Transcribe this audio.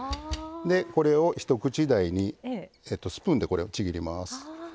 これを一口大にスプーンでこれをちぎります。